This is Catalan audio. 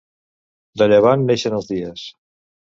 De llevant neixen els dies.